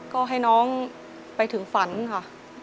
ก็ให้น้องไปถึงฝันค่ะ